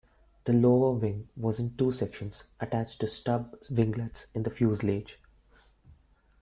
The lower wing was in two sections attached to stub 'winglets' on the fuselage.